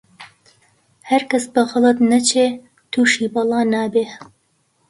هەرکەس بە غەڵەت نەچی، تووشی بەڵا نابێ